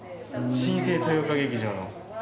新生豊岡劇場の。